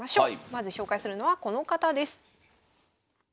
まず紹介するのはこの方です。